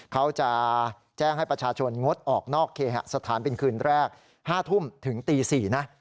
เขาจะแจ้งให้ประชาชนงดออกนอกเคหสถานเป็นคืนแรก๕ทุ่มถึงตี๔นะ